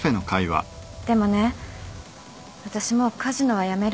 でもね私もうカジノは辞めるんだ